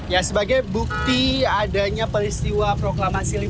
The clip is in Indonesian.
ya sebagai bukti adanya peristiwa proklamasi